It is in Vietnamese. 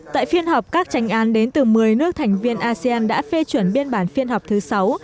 tại phiên họp các tranh án đến từ một mươi nước thành viên asean đã phê chuẩn biên bản phiên họp thứ sáu